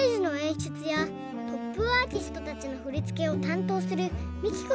しゅつやトップアーティストたちのふりつけをたんとうするＭＩＫＩＫＯ